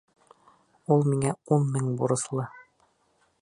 Ул миңә ун мең бурыслы!